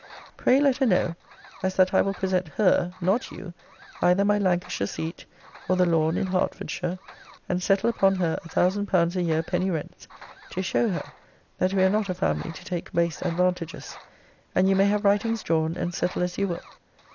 Pray let her know as that I will present HER (not you) either my Lancashire seat or The Lawn in Hertfordshire, and settle upon her a thousand pounds a year penny rents; to show her, that we are not a family to take base advantages: and you may have writings drawn, and settle as you will.